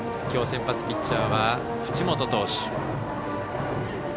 きょう先発ピッチャーは淵本投手。